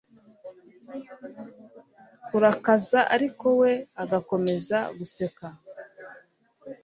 Kurakaza ariko we agakomeza guseka